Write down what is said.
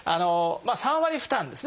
まあ３割負担ですね